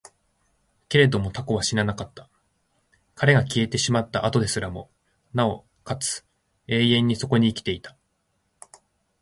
けれども蛸は死ななかった。彼が消えてしまった後ですらも、尚且つ永遠にそこに生きていた。